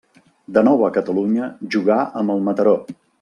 De nou a Catalunya, jugà amb el Mataró.